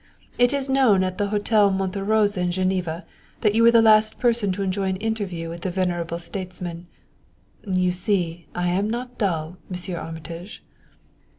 It is known at the Hotel Monte Rosa in Geneva that you were the last person to enjoy an interview with the venerable statesman you see I am not dull, Monsieur Armitage!"